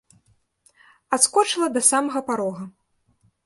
Адскочыла да самага парога.